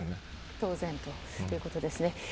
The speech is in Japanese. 当然ということですね。